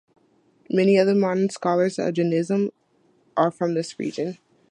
Many of the modern scholars of Jainism are from this region.